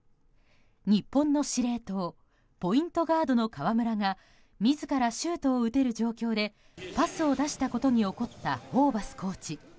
日本の司令塔ポイントガードの河村が自らシュートを打てる状況でパスを出したことに怒ったホーバスコーチ。